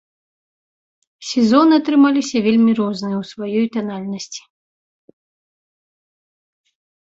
Сезоны атрымаліся вельмі розныя ў сваёй танальнасці.